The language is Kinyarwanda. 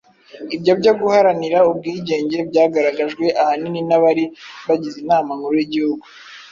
Ibyo byo guharanira ubwigenge byagaragajwe ahanini n'abari bagize Inama Nkuru y'Igihugu.